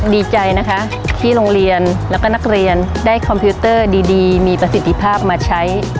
ดีใจนะคะที่โรงเรียนแล้วก็นักเรียนได้คอมพิวเตอร์ดีมีประสิทธิภาพมาใช้